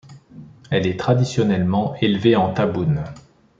Elle est traditionnellement élevée en tabounes.